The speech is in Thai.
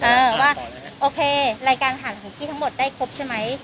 แบบว่าโอเครายการอาหารของที่ทั้งหมดได้ครบใช่ไม่